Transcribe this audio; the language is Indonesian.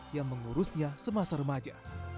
yang mengurusnya semasa remaja